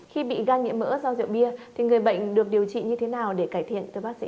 khi bị gan nhiễm mỡ do rượu bia thì người bệnh được điều trị như thế nào để cải thiện